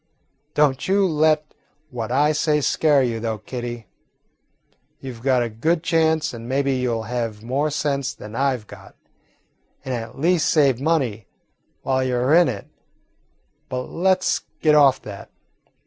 "Don't you let what I say scare you, though, Kitty. You 've got a good chance, and maybe you 'll have more sense than I 've got, and at least save money while you 're in it. But let 's get off that.